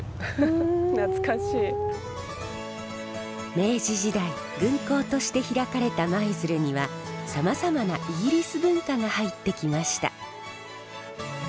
明治時代軍港として開かれた舞鶴にはさまざまなイギリス文化が入ってきました。